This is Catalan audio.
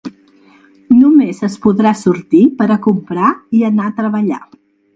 Només es podrà sortir per a comprar i anar a treballar.